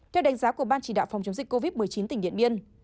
theo đánh giá của ban chỉ đạo phòng chống dịch covid một mươi chín tỉnh điện biên